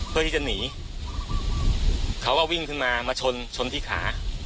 เพื่อที่จะหนีเขาก็วิ่งขึ้นมามาชนชนที่ขา